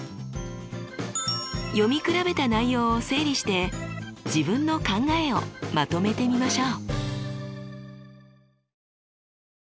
読み比べた内容を整理して自分の考えをまとめてみましょう。